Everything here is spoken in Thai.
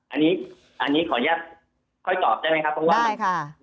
อันนี้ขอแยกค่อยตอบได้ไหมครับ